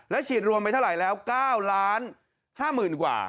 ฉีดรวมไปเท่าไหร่แล้ว๙๕๐๐๐กว่า